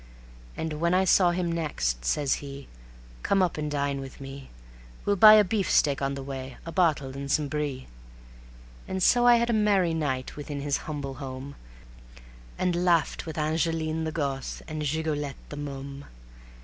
And when I saw him next, says he: "Come up and dine with me. We'll buy a beefsteak on the way, a bottle and some brie." And so I had a merry night within his humble home, And laughed with Angeline the gosse and Gigolette the môme.